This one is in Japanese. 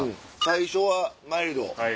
最初はマイルド。